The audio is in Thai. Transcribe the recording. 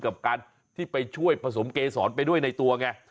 กับกันที่ไปช่วยผสมเกสรไปด้วยในตัวเนี่ย